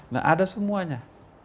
nah ada semuanya